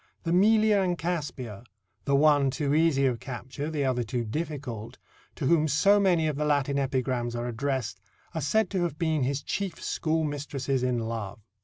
The Mellea and Caspia the one too easy of capture, the other too difficult to whom so many of the Latin epigrams are addressed, are said to have been his chief schoolmistresses in love.